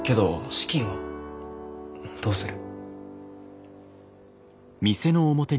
資金はどうする？